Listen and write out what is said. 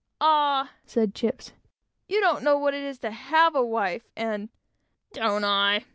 "Ah!" said "Chips," "you don't know what it is to have a wife, and" "Don't I?"